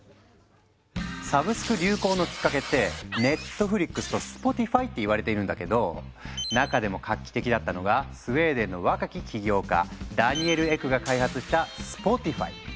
サブスク流行のきっかけって「ＮＥＴＦＬＩＸ」と「Ｓｐｏｔｉｆｙ」って言われているんだけど中でも画期的だったのがスウェーデンの若き起業家ダニエル・エクが開発した「スポティファイ」。